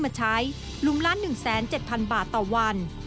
บาทเดือนตันตั้งงานักหนึ่งแสนเป็นมารตรวัน